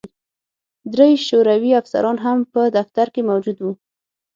درې شوروي افسران هم په دفتر کې موجود وو